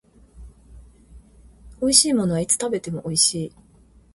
美味しいものはいつ食べても美味しい